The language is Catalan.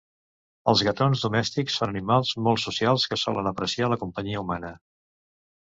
Els gatons domèstics són animals molt socials que solen apreciar la companyia humana.